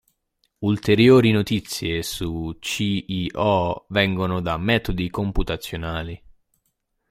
Ulteriori notizie su ClO vengono da metodi computazionali.